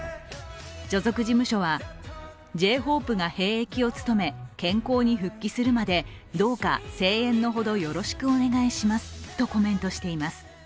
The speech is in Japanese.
所属事務所は、Ｊ−ＨＯＰＥが兵役を務め、健康に復帰するまでどうか声援のほどよろしくお願いしますとコメントしています。